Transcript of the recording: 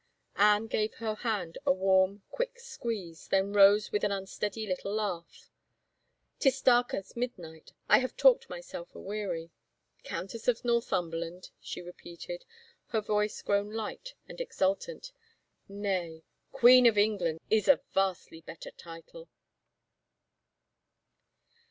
Anne gave her hand a warm, quick squeeze, then rose with an unsteady little laugh. " 'Tis dark as midnight — I have talked myself aweary. ... Countess of Northumberland?" she repeated, her voice grown light and exultant. " Nay, Queen of Eng land is a vastly better title